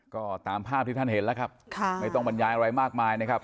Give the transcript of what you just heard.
ก็ตามภาพที่ท่านเห็นแล้วครับค่ะไม่ต้องบรรยายอะไรมากมายนะครับ